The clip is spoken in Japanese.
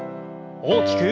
大きく。